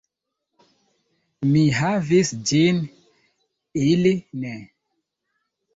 Mi havis ĝin, ili ne.